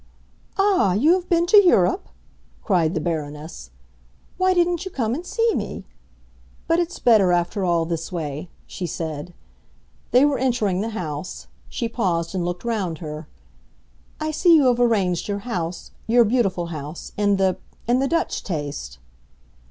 "Ah, you have been to Europe?" cried the Baroness. "Why didn't you come and see me? But it's better, after all, this way," she said. They were entering the house; she paused and looked round her. "I see you have arranged your house—your beautiful house—in the—in the Dutch taste!"